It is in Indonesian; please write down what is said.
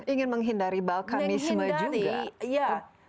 ingin menghindari balkanisme juga